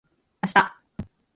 あした